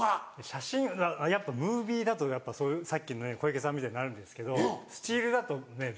写真やっぱムービーだとやっぱそういうさっきのね小池さんみたいになるんですけどスチールだとね別に。